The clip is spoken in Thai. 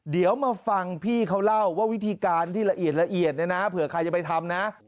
เดี๋ยวมาฟังพี่เขาเล่าว่าวิธีการที่ละเอียดละเอียดเนี่ยนะเผื่อใครจะไปทำนะ